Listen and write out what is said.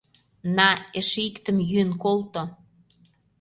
На, эше иктым йӱын колто!